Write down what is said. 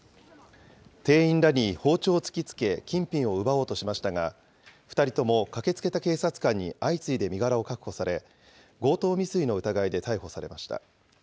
店員らに包丁を突きつけ、金品を奪おうとしましたが、２人とも駆けつけた警察官に相次いで身柄を確保され、強盗未遂の疑いで逮捕されました。